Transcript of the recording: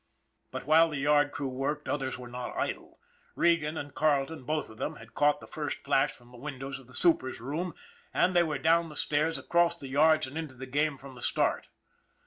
But while the yard crew worked others were not idle. Regan and Carleton, both of them, had caught the first flash from the windows of the super's room, and they were down the stairs, across the yards and into the game from the start.